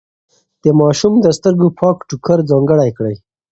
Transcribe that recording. د ماشوم د سترګو پاک ټوکر ځانګړی کړئ.